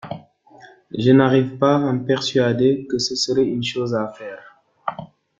Je n’arrive pas à me persuader que ce serait une chose à faire.